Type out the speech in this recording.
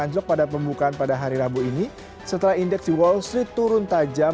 anjlok pada pembukaan pada hari rabu ini setelah indeks di wall street turun tajam